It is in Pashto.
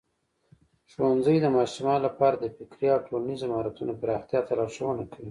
ښوونځی د ماشومانو لپاره د فکري او ټولنیزو مهارتونو پراختیا ته لارښوونه کوي.